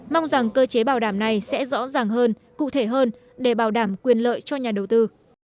mong rằng cơ chế bảo đảm này sẽ rõ ràng hơn cụ thể hơn để bảo đảm quyền lợi cho nhà đầu tư